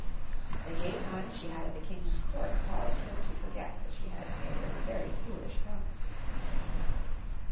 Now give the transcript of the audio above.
The gay times she had at the King's Court caused her to forget that she had made a very foolish promise.